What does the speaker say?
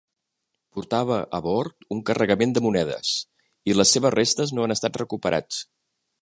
Portava a bord un carregament de monedes, i les seves restes no han estat recuperats.